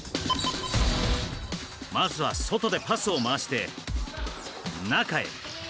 まずは、外でパスを回して中へ。